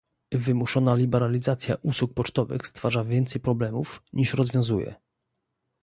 Wymuszona liberalizacja usług pocztowych stwarza więcej problemów, niż rozwiązuje